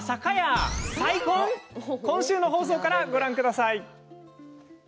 今週の放送からご覧ください。